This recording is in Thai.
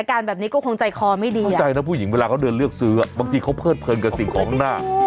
เข้าใจนะผู้หญิงเวลาเขาเดินเลือกซื้อบางทีเขาเพิ่ดเพลินกับสิ่งของข้างหน้า